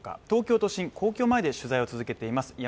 東京都心、皇居前で取材を続けています